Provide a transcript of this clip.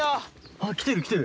あっ来てる来てる！